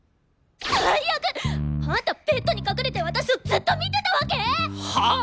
最悪！あんたベッドに隠れて私をずっと見てたわけ！？はあ！？